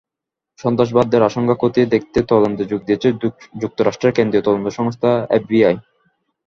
সন্ত্রাসবাদের আশঙ্কা খতিয়ে দেখতে তদন্তে যোগ দিয়েছে যুক্তরাষ্ট্রের কেন্দ্রীয় তদন্ত সংস্থা এফবিআই।